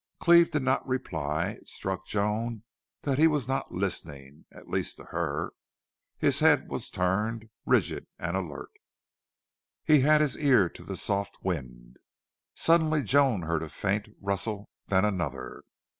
Cleve did not reply. It struck Joan that he was not listening, at least to her. His head was turned, rigid and alert. He had his ear to the soft wind. Suddenly Joan heard a faint rustle then another.